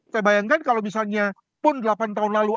saya bayangkan kalau misalnya pun delapan tahun lalu